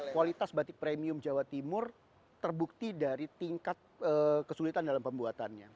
kualitas batik premium jawa timur terbukti dari tingkat kesulitan dalam pembuatannya